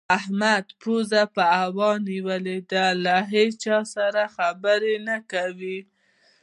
احمد پزه په هوا نيول ده؛ له هيچا سره خبرې نه کوي.